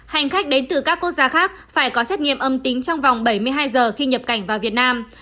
hành khách đến từ các quốc gia khác phải có xét nghiệm âm tính trong vòng bảy mươi hai giờ khi nhập cảnh vào việt nam